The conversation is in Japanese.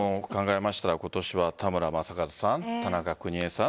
今年は田村正和さん、田中邦衛さん